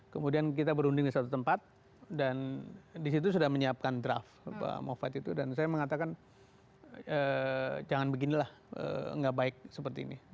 kemudian kita berunding di suatu tempat dan disitu sudah menyiapkan draft pak mofat itu dan saya mengatakan jangan beginilah nggak baik seperti ini